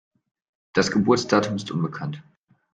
Das Geburtsdatum ist unbekannt.